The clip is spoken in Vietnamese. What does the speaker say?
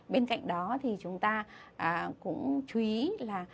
bên cạnh đó thì chúng ta cũng chú ý là